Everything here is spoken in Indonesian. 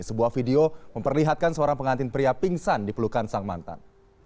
sebuah video memperlihatkan seorang pengantin pria pingsan dipelukan sang mantan